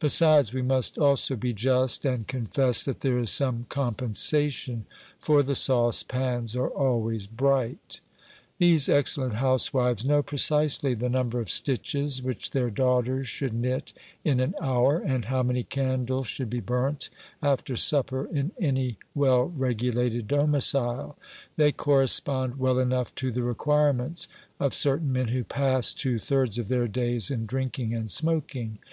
Besides, we must also be just, and confess that there is some compensation, for the saucepans are always bright. These excellent housewives know precisely the number of stitches which their daughters should knit in an hour, and how many candles should be burnt after supper in any well regulated domicile ; they correspond well enough to the requirements of certain men who pass two thirds of their days in drinking and smoking.